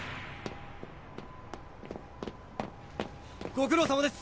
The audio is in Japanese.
ご苦労さまです。